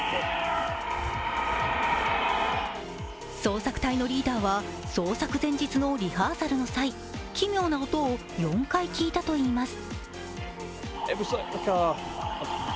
捜索隊のリーダーは捜索前日のリハーサルの際奇妙な音を４回聞いたといいます。